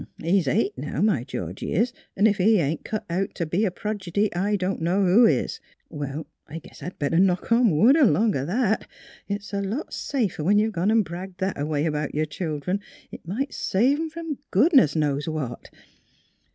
He's eight now, my Georgie is, an' ef he ain't cut out t' be a progidy I dunno who is. Well, I guess I'd better knock on wood along o' that! It 's a lot safer when you've gone 'n' bragged that a way 'bout yer childern. It might save 'em f'om goodness knows what!